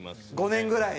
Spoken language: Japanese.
５年ぐらい？